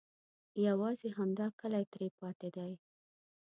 یوازې همدا کلی ترې پاتې دی.